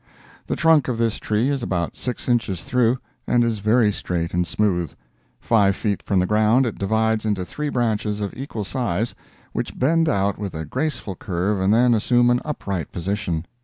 The trunk of this tree is about six inches through, and is very straight and smooth. Five feet from the ground it divides into three branches of equal size, which bend out with a graceful curve and then assume an upright position.